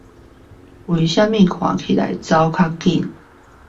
為什麼看起來跑比較快